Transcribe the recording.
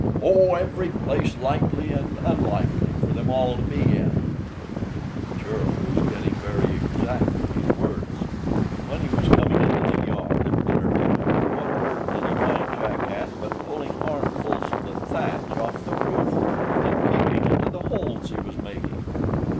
"Oh, every place likely and unlikely for them all to be in." The churl was getting very exact in his words. When he was coming into the yard at dinner time, what work did he find Jack at but pulling armfuls of the thatch off the roof, and peeping into the holes he was making.